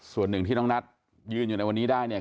ส่วนหนึ่งที่น้องนัทยืนอยู่ในวันนี้ได้เนี่ย